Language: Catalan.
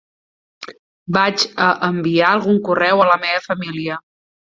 Vaig a enviar algun correu a la meva família.